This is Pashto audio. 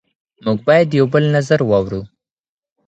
موږ باید د یو بل نظر واورو.